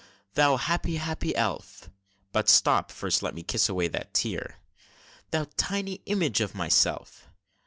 Thou happy, happy elf! (But stop, first let me kiss away that tear) Thou tiny image of myself!